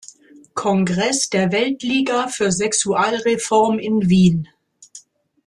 Kongress der Weltliga für Sexualreform in Wien.